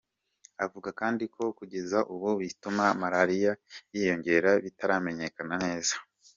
Avuga kandi ko kugeza ubu ibituma malariya yiyongera bitaramenyekana neza.